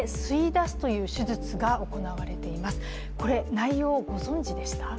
内容、ご存じでした？